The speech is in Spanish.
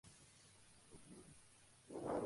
Esta modalidad de viaje fue suspendida por baja demanda.